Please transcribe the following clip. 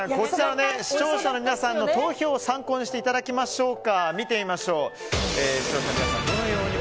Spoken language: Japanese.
視聴者の皆さんの投票を参考にしていただきましょうか。